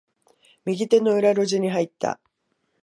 右手の裏路地に入った。